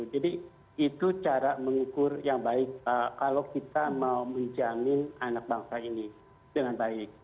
jadi itu cara mengukur yang baik kalau kita mau menjamin anak bangsa ini dengan baik